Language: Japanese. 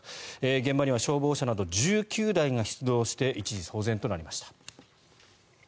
現場には消防車など１９台が出動して現場は一時騒然となりました。